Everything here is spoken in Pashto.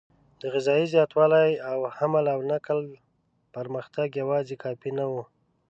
د غذایي زیاتوالي او حمل او نقل پرمختګ یواځې کافي نه و.